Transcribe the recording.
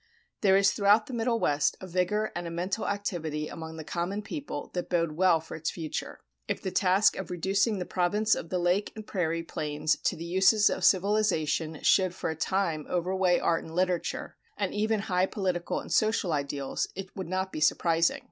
There is throughout the Middle West a vigor and a mental activity among the common people that bode well for its future. If the task of reducing the Province of the Lake and Prairie Plains to the uses of civilization should for a time overweigh art and literature, and even high political and social ideals, it would not be surprising.